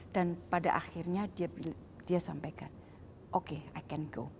dan pada akhirnya dia sampaikan oke i can go